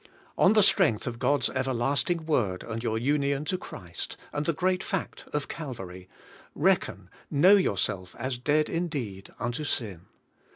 On the strength of God's everlasting Word, and your union to Christ, and the great fact of Calvary, reckon, know yourself as dead indeed unto sin.